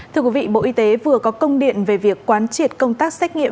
thưa quý vị bộ y tế vừa có công điện về việc quán triệt công tác xét nghiệm